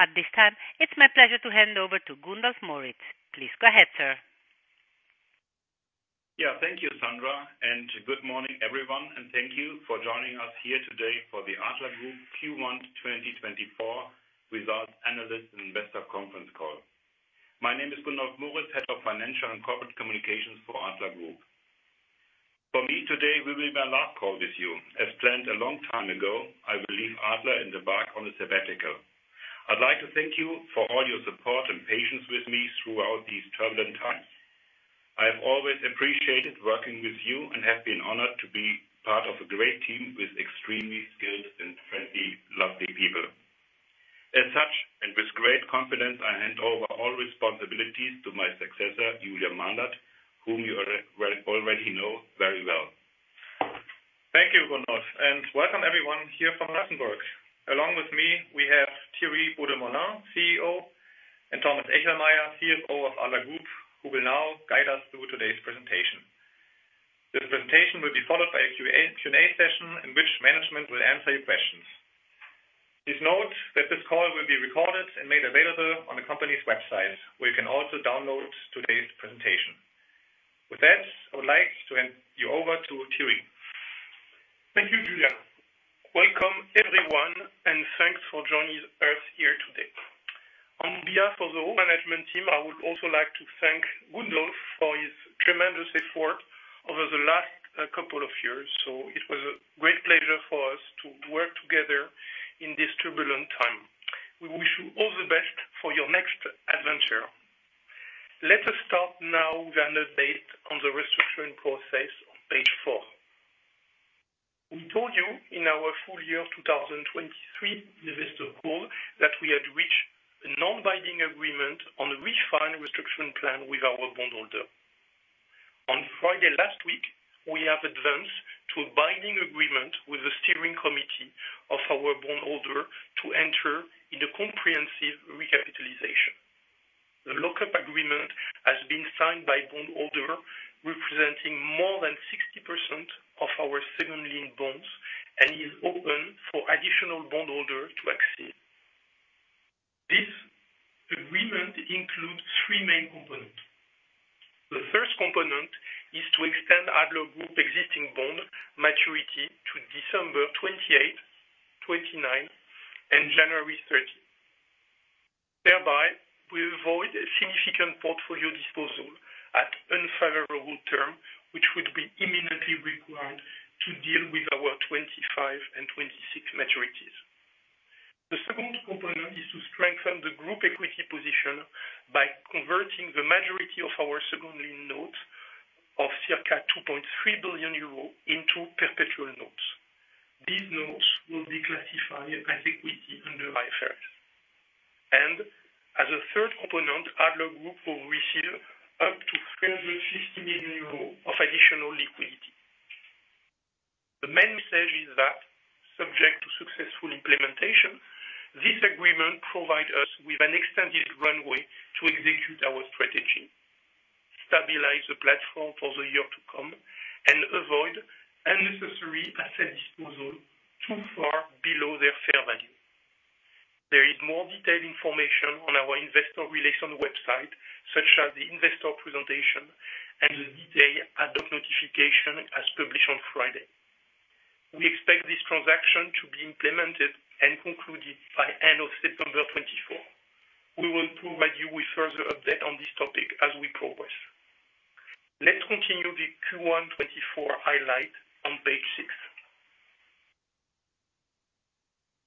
At this time, it's my pleasure to hand over to Gundolf Moritz. Please go ahead, sir. Yeah, thank you, Sandra, and good morning, everyone, and thank you for joining us here today for the Adler Group Q1 2024 Results Analyst and Investor Conference Call. My name is Gundolf Moritz, Head of Financial and Corporate Communications for Adler Group. For me today, will be my last call with you. As planned a long time ago, I will leave Adler and embark on a sabbatical. I'd like to thank you for all your support and patience with me throughout these turbulent times. I have always appreciated working with you and have been honored to be part of a great team with extremely skilled and friendly, lovely people. As such, and with great confidence, I hand over all responsibilities to my successor, Julian Mahlert, whom you already know very well. Thank you, Gundolf, and welcome everyone here from Luxembourg. Along with me, we have Thierry Beaudemoulin, CEO, and Thomas Echelmeyer, CFO of Adler Group, who will now guide us through today's presentation. This presentation will be followed by a Q&A session, in which management will answer your questions. Please note that this call will be recorded and made available on the company's website, where you can also download today's presentation. With that, I would like to hand you over to Thierry. Thank you, Julian. Welcome, everyone, and thanks for joining us here today. On behalf of the whole management team, I would also like to thank Gundolf for his tremendous effort over the last couple of years. So it was a great pleasure for us to work together in this turbulent time. We wish you all the best for your next adventure. Let us start now with an update on the restructuring process on page four. We told you in our full year 2023 investor call that we had reached a non-binding agreement on a refined restructuring plan with our bondholders. On Friday last week, we have advanced to a binding agreement with the steering committee of our bondholders to enter into a comprehensive recapitalization. The lock-up agreement has been signed by bondholders, representing more than 60% of our second lien bonds and is open for additional bondholders to access. This agreement includes three main components. The first component is to extend Adler Group existing bond maturity to December 2028, 2029, and January 2030. Thereby, we avoid a significant portfolio disposal at unfavorable term, which would be immediately required to deal with our 2025 and 2026 maturities. The second component is to strengthen the group equity position by converting the majority of our second lien notes of circa 2.3 billion euro into perpetual notes. These notes will be classified as equity under IFRS. As a third component, Adler Group will receive up to 350 million euros of additional liquidity. The main message is that, subject to successful implementation, this agreement provide us with an extended runway to execute our strategy, stabilize the platform for the year to come, and avoid unnecessary asset disposal too far below their fair value. There is more detailed information on our investor relations website, such as the investor presentation and the detailed Adler notification, as published on Friday. We expect this transaction to be implemented and concluded by end of September 2024. We will provide you with further update on this topic as we progress. Let's continue the Q1 2024 highlight on page six.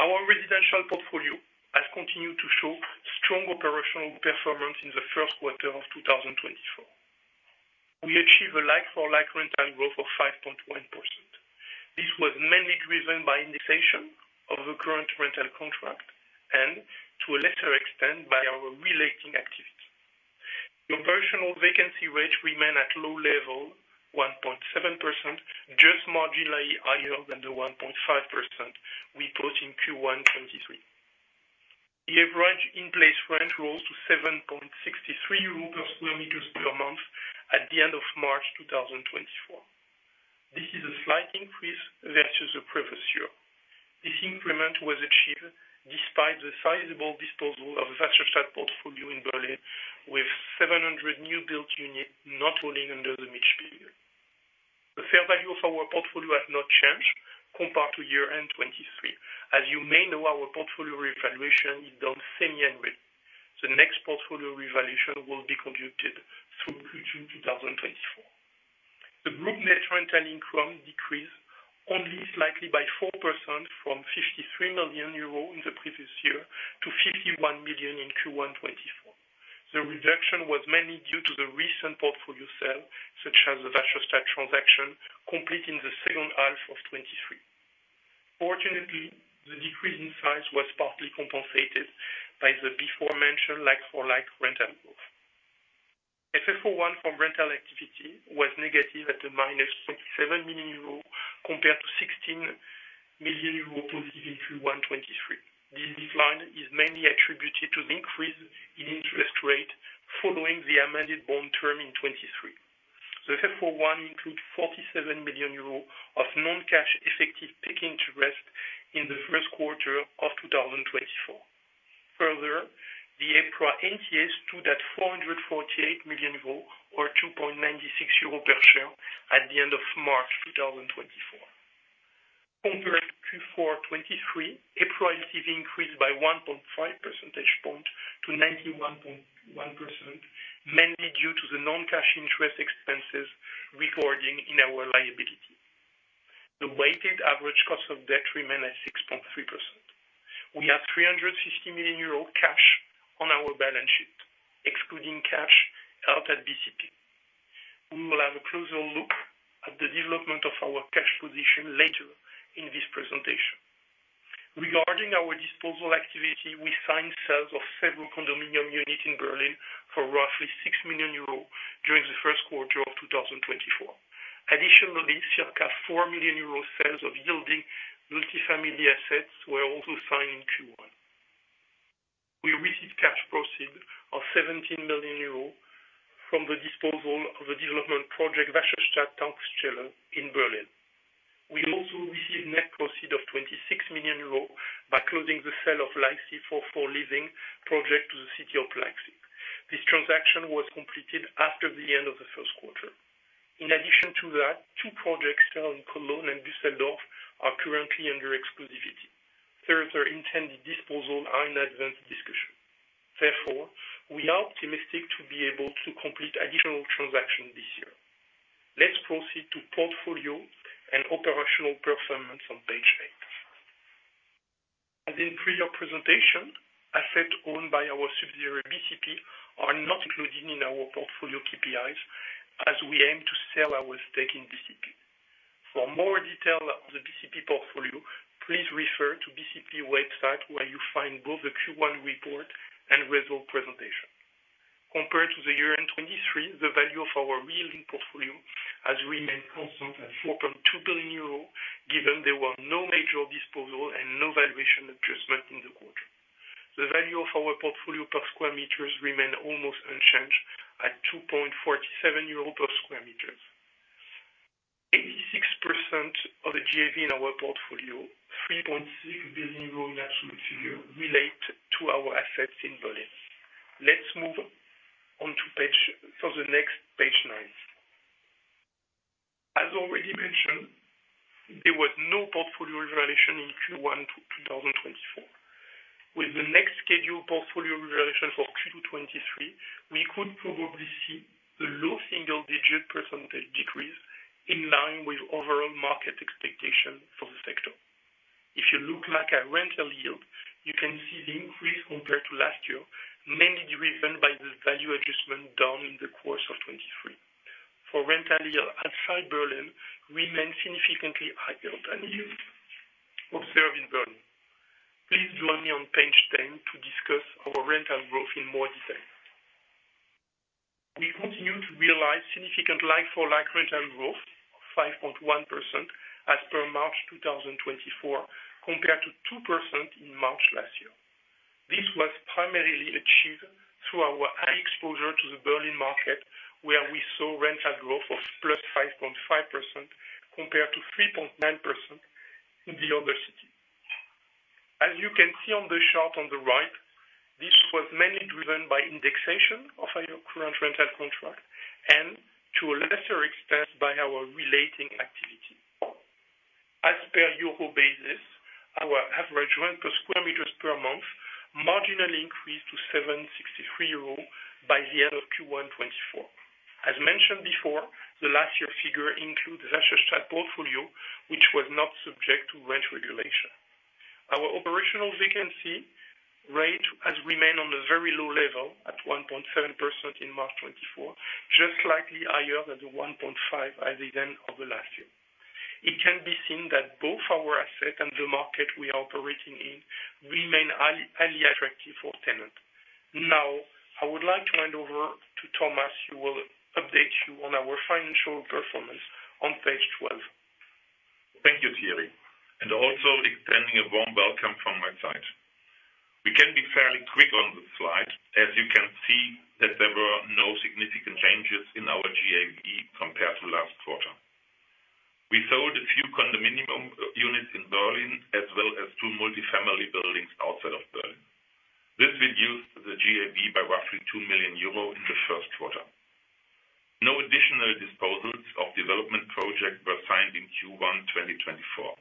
Our residential portfolio has continued to show strong operational performance in the first quarter of 2024. We achieved a like-for-like rental growth of 5.1%. This was mainly driven by indexation of the current rental contract, and to a lesser extent, by our relating activities. The operational vacancy rate remained at a low level, 1.7%, just marginally higher than the 1.5% we had in Q1 2023. The average in-place rent rose to 7.63 euros per square meter per month, at the end of March 2024. This is a slight increase versus the previous year. This increment was achieved despite the sizable disposal of Wasserstadt portfolio in Berlin, with 700 new-built units not falling under the Mietspiegel. The fair value of our portfolio has not changed compared to year-end 2023. As you may know, our portfolio revaluation is done semi-annually. The next portfolio revaluation will be conducted through June 2024. The group net rental income decreased only slightly by 4% from 53 million euro in the previous year to 51 million in Q1 2024. The reduction was mainly due to the recent portfolio sale, such as the Wasserstadt transaction, complete in the second half of 2023. Fortunately, the decrease in size was partly compensated by the beforementioned like-for-like rental growth. FFO1 from rental activity was negative at -27 million euro, compared to 16 million euro positive in Q1 2023. This decline is mainly attributed to the increase in interest rate following the amended bond term in 2023. So FFO 1 include EUR 47 million of non-cash effective picking interest in the first quarter of 2024. Further, the EPRA NCS stood at 448 million euros, or 2.96 euros per share at the end of March 2024. Compared to Q4 2023, EPRA has increased by 1.5 percentage point to 91.1%, mainly due to the non-cash interest expenses recording in our liability. The weighted average cost of debt remained at 6.3%. We have 350 million euro cash on our balance sheet, excluding cash out at BCP. We will have a closer look at the development of our cash position later in this presentation. Regarding our disposal activity, we signed sales of several condominium units in Berlin for roughly 6 million euros during the first quarter of 2024. Additionally, circa 4 million euros sales of yielding multifamily assets were also signed in Q1. We received cash proceeds of 17 million euros from the disposal of the development project in Berlin. We also received net proceeds of 26 million euro by closing the sale of the Leipzig 416 project to the City of Leipzig. This transaction was completed after the end of the first quarter. In addition to that, two projects here in Cologne and Düsseldorf are currently under exclusivity. Further intended disposal are in advanced discussion. Therefore, we are optimistic to be able to complete additional transaction this year. Let's proceed to portfolio and operational performance on page eight. As in prior presentation, assets owned by our subsidiary, BCP, are not included in our portfolio KPIs, as we aim to sell our stake in BCP. For more detail on the BCP portfolio, please refer to the BCP website, where you find both the Q1 report and results presentation. Compared to the year-end 2023, the value of our yielding portfolio has remained constant at 4.2 billion euros, given there were no major disposal and no valuation adjustment in the quarter. The value of our portfolio per sq m remained almost unchanged at 2.47 euro per sq m. 86% of the GAV in our portfolio, 3.6 billion euro in absolute figure, relate to our assets in Berlin. Let's move on to page nine. As already mentioned, there was no portfolio revaluation in Q1 2024. With the next scheduled portfolio revaluation for Q2 2023, we could probably see a low single-digit % decrease in line with overall market expectation for the sector. If you look back at rental yield, you can see the increase compared to last year, mainly driven by the value adjustment done in the course of 2023. For rental yield outside Berlin, remain significantly higher than yields observed in Berlin. Please join me on page 10 to discuss our rental growth in more detail. We continue to realize significant like-for-like rental growth of 5.1% as per March 2024, compared to 2% in March last year. This was primarily achieved through our high exposure to the Berlin market, where we saw rental growth of +5.5%, compared to 3.9% in the other city. As you can see on the chart on the right, this was mainly driven by indexation of our current rental contract, and to a lesser extent, by our relating activity. As per year whole basis, our average rent per square meters per month marginally increased to 7.63 euro by the end of Q1 2024. As mentioned before, the last year figure includes portfolio, which was not subject to rent regulation. Our operational vacancy rate has remained on a very low level at 1.7% in March 2024, just slightly higher than the 1.5% at the end of the last year. It can be seen that both our asset and the market we are operating in remain highly attractive for tenant. Now, I would like to hand over to Thomas, who will update you on our financial performance on page 12. Thank you, Thierry, and also extending a warm welcome from my side. We can be fairly quick on this slide, as you can see that there were no significant changes in our GAV compared to last quarter. We sold a few condominium units in Berlin, as well as two multifamily buildings outside of Berlin. This reduced the GAV by roughly 2 million euro in the first quarter. No additional disposals of development projects were signed in Q1 2024.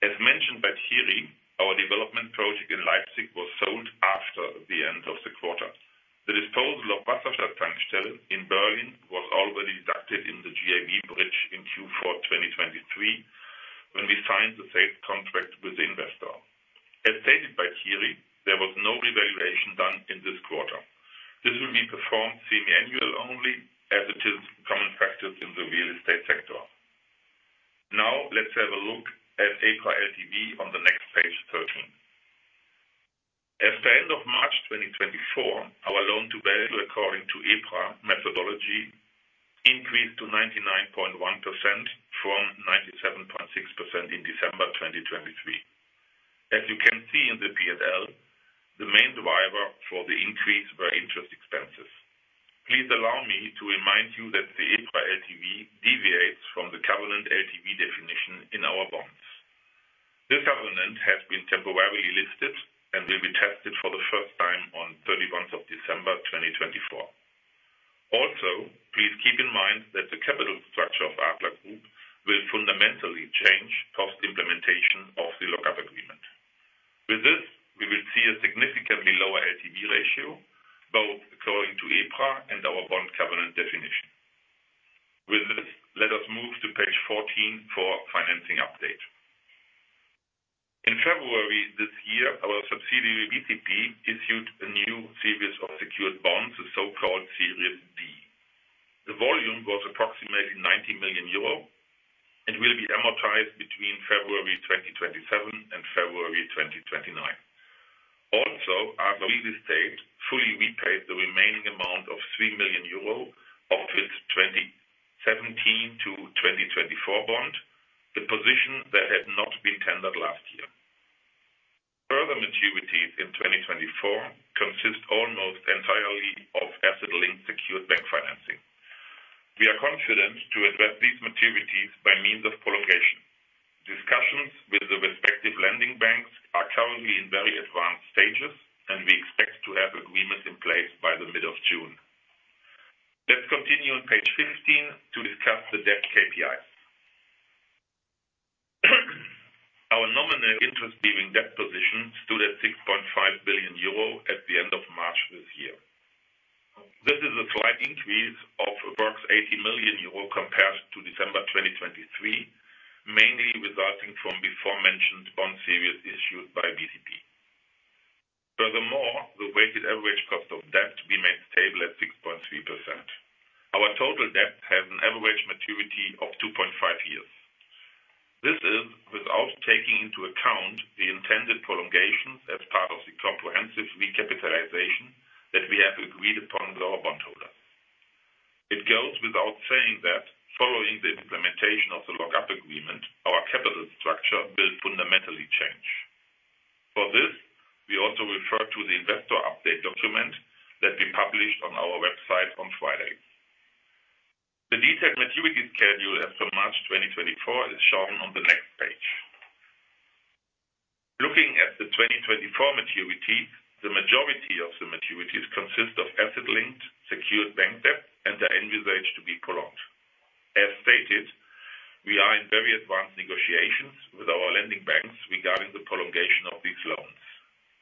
As mentioned by Thierry, our development project in Leipzig was sold after the end of the quarter. The disposal of Wasserstadt in Berlin was already deducted in the GAV bridge in Q4 2023, when we signed the sale contract with the investor. As stated by Thierry, there was no revaluation done in this quarter. This will be performed semiannually only, as it is common practice in the real estate sector. Now, let's have a look at EPRA LTV on the next page, 13. At the end of March 2024, our loan to value, according to EPRA methodology, increased to 99.1% from 90... 2023. As you can see in the PNL, the main driver for the increase were interest expenses. Please allow me to remind you that the EPRA LTV deviates from the covenant LTV definition in our bonds. This covenant has been temporarily lifted and will be tested for the first time on 31 December 2024. Also, please keep in mind that the capital structure of Adler Group will fundamentally change post-implementation of the lock-up agreement. With this, we will see a significantly lower LTV ratio, both according to EPRA and our bond covenant definition. With this, let us move to page 14 for financing update. In February this year, our subsidiary, BCP, issued a new series of secured bonds, the so-called Series D. The volume was approximately 90 million euro and will be amortized between February 2027 and February 2029. Also, Adler Real Estate fully repaid the remaining amount of 3 million euro of its 2017-2024 bond, the position that had not been tendered last year. Further maturities in 2024 consist almost entirely of asset-linked secured bank financing. We are confident to address these maturities by means of prolongation. Discussions with the respective lending banks are currently in very advanced stages, and we expect to have agreements in place by the middle of June. Let's continue on page 15 to discuss the debt KPI. Our nominal interest-giving debt position stood at 6.5 billion euro at the end of March this year. This is a slight increase of approximately 80 million euro compared to December 2023, mainly resulting from aforementioned bond series issued by BCP. Furthermore, the weighted average cost of debt remains stable at 6.3%. Our total debt has an average maturity of 2.5 years. This is without taking into account the intended prolongation as part of the comprehensive recapitalization that we have agreed upon with our bondholders. It goes without saying that following the implementation of the lock-up agreement, our capital structure will fundamentally change. For this, we also refer to the investor update document that we published on our website on Friday. The detailed maturity schedule as of March 2024 is shown on the next page. Looking at the 2024 maturity, the majority of the maturities consist of asset-linked, secured bank debt and are envisaged to be prolonged. As stated, we are in very advanced negotiations with our lending banks regarding the prolongation of these loans.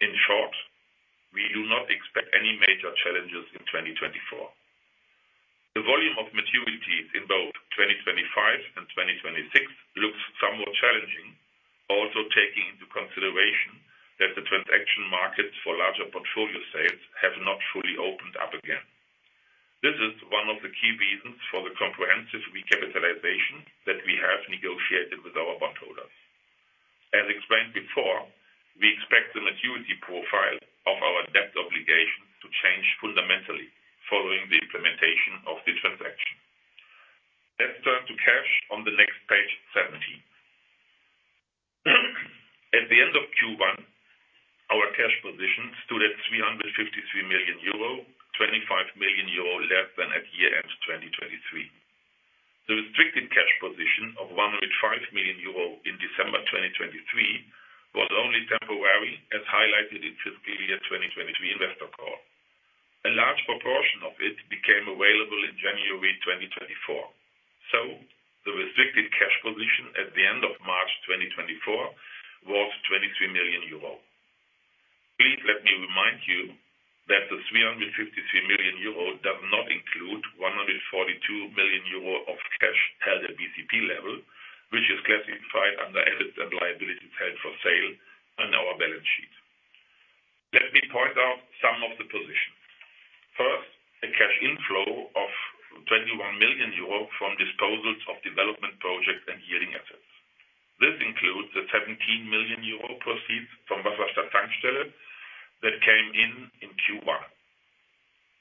In short, we do not expect any major challenges in 2024. The volume of maturities in both 2025 and 2026 looks somewhat challenging, also taking into consideration that the transaction markets for larger portfolio sales have not fully opened up again. This is one of the key reasons for the comprehensive recapitalization that we have negotiated with our bondholders. As explained before, we expect the maturity profile of our debt obligation to change fundamentally following the implementation of the transaction. Let's turn to cash on the next page, 17. At the end of Q1, our cash position stood at 353 million euro, 25 million euro less than at year-end 2023. The restricted cash position of 105 million euro in December 2023 was only temporary, as highlighted in fiscal year 2023 investor call. A large proportion of it became available in January 2024. So the restricted cash position at the end of March 2024 was 23 million euro. Please let me remind you that the 353 million euro does not include 142 million euro of cash held at BCP level, which is classified under assets and liabilities held for sale on our balance sheet. Let me point out some of the positions. First, a cash inflow of 21 million euro from disposals of development projects and yielding assets. This includes the 17 million euro proceeds from Wasserstadt Tankstelle that came in in Q1.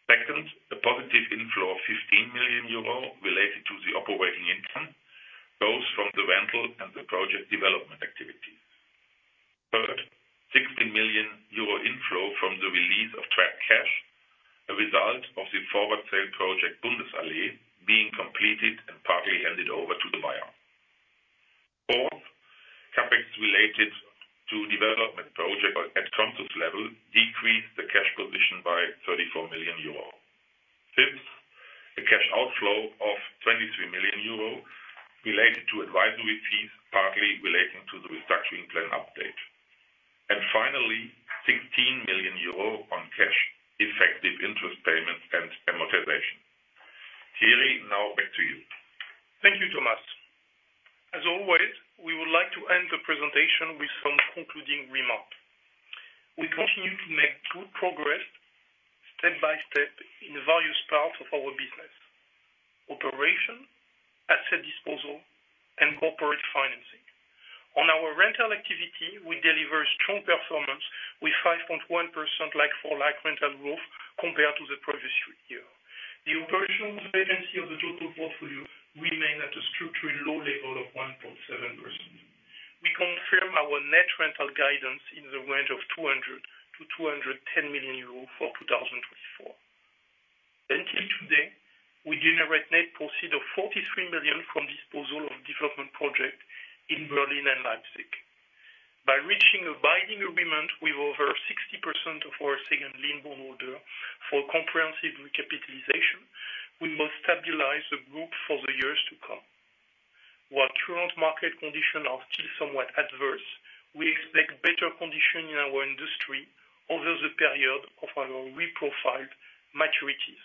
Second, a positive inflow of 15 million euro related to the operating income, both from the rental and the project development activities. Third, 60 million euro inflow from the release of trapped cash, a result of the forward sale project, Bundesallee, being completed and partly handed over to the buyer. Fourth, CapEx related to development projects at Consus level decreased the cash position by 34 million euro. Fifth, a cash outflow of 23 million euro related to advisory fees, partly relating to the restructuring plan update. And finally, 16 million euro on cash, effective interest payments and amortization. Thierry, now back to you. Thank you, Thomas. As always, we would like to end the presentation with some concluding remarks. We continue to make good progress step by step in various parts of our business: operation, asset disposal, and corporate financing. On our rental activity, we deliver strong performance with 5.1%, like-for-like rental growth compared to the previous year. The operational vacancy of the total portfolio remain at a structurally low level of 1.7%. We confirm our net rental guidance in the range of 200 million-210 million euros for 2024. Until today, we generate net proceeds of 43 million from disposal of development project in Berlin and Leipzig. By reaching a binding agreement with over 60% of our second lien bondholder for comprehensive recapitalization, we must stabilize the group for the years to come. While current market conditions are still somewhat adverse, we expect better condition in our industry over the period of our reprofiled maturities.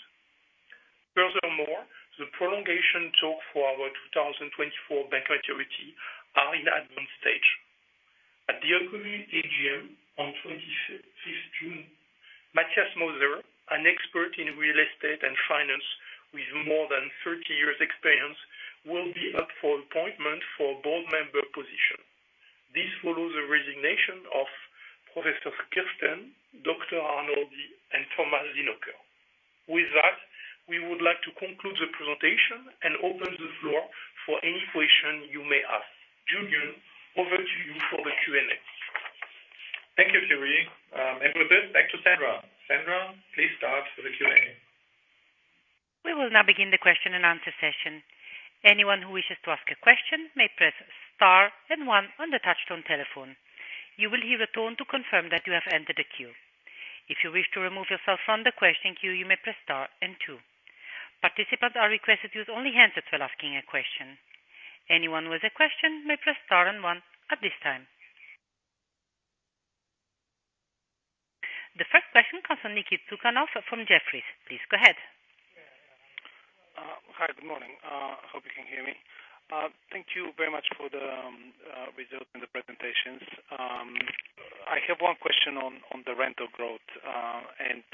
Furthermore, the prolongation talk for our 2024 bank maturity are in advanced stage. At the upcoming AGM on 25th June, Matthias Moser, an expert in real estate and finance with more than 30 years experience, will be up for appointment for a board member position. This follows the resignation of Professor Kirsten, Dr. Arnoldi, and Thomas Zinnöcker. With that, we would like to conclude the presentation and open the floor for any question you may ask. Julian, over to you for the Q&A. Thank you, Thierry. With this, back to Sandra. Sandra, please start with the Q&A. We will now begin the question and answer session. Anyone who wishes to ask a question may press star and one on the touchtone telephone. You will hear a tone to confirm that you have entered the queue. If you wish to remove yourself from the question queue, you may press star and two. Participants are requested to use only hands while asking a question. Anyone with a question may press star and one at this time. The first question comes from Niki Tucakov from Jefferies. Please go ahead. Hi, good morning. I hope you can hear me. Thank you very much for the results and the presentations. I have one question on the rental growth, and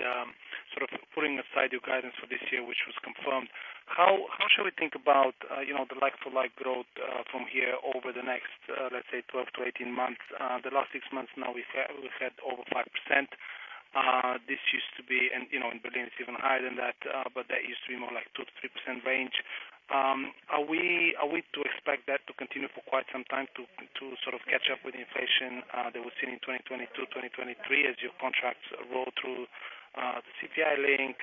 sort of putting aside your guidance for this year, which was confirmed. How should we think about, you know, the like-for-like growth, from here over the next, let's say, 12-18 months? The last six months now, we've had over 5%. This used to be, and, you know, in Berlin, it's even higher than that, but that used to be more like 2%-3% range. Are we to expect that to continue for quite some time, to sort of catch up with inflation that we've seen in 2022, 2023, as your contracts roll through the CPI link,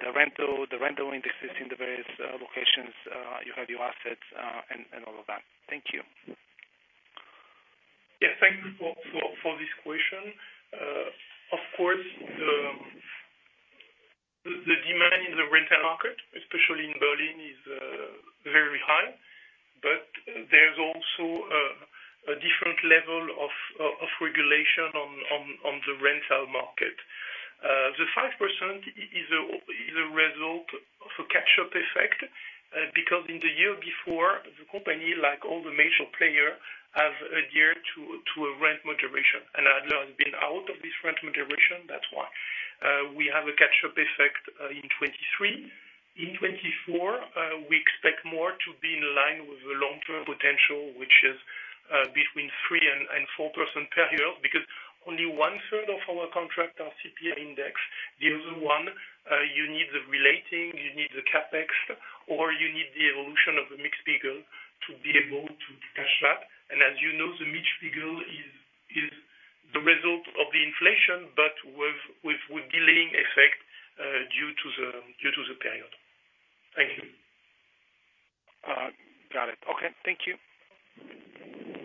the rental indices in the various locations you have your assets, and all of that? Thank you. Yeah, thank you for this question. Of course, the demand in the rental market, especially in Berlin, is very high, but there's also a different level of regulation on the rental market. The 5% is a result of a catch-up effect, because in the year before, the company, like all the major player, have adhered to a rent moderation, and Adler has been out of this rent moderation. That's why we have a catch-up effect in 2023. In 2024, we expect more to be in line with the long-term potential, which is between 3%-4% per year, because only one third of our contract are CPI indexed. The other one, you need the relating, you need the CapEx, or you need the evolution of the Mietspiegel to be able to catch that. And as you know, the Mietspiegel is, is the result of the inflation, but with, with, with delaying effect, due to the, due to the period. Thank you. Got it. Okay. Thank you.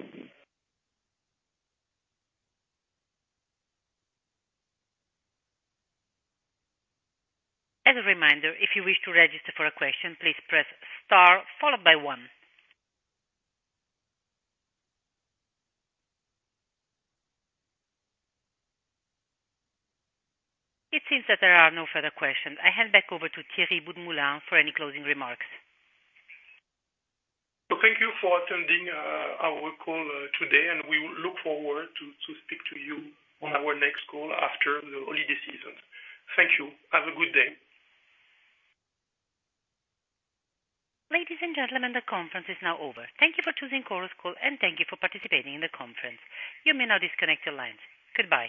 As a reminder, if you wish to register for a question, please press star followed by one. It seems that there are no further questions. I hand back over to Thierry Beaudemoulin for any closing remarks. Thank you for attending our call today, and we look forward to speak to you on our next call after the holiday season. Thank you. Have a good day. Ladies and gentlemen, the conference is now over. Thank you for choosing Chorus Call, and thank you for participating in the conference. You may now disconnect your lines. Goodbye.